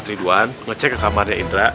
ridwan ngecek ke kamarnya indra